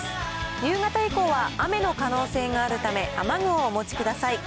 夕方以降は雨の可能性があるため、雨具をお持ちください。